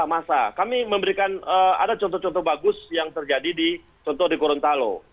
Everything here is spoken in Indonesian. masa kami memberikan ada contoh contoh bagus yang terjadi di contoh di gorontalo